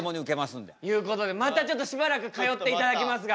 いうことでまたちょっとしばらく通っていただきますが。